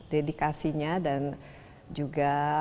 dedikasinya dan juga